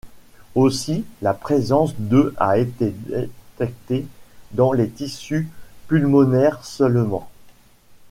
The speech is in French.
Aussi, la présence de a été détectée dans les tissus pulmonaires seulement.